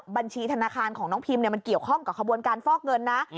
บัญชีธนาคารของน้องพิมมันเกี่ยวข้องกับขบวนการฟอกเงินนะ